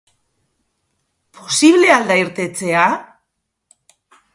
Posible al da irtetea?